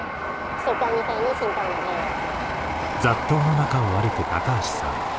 宗教２世に信教の自由を」。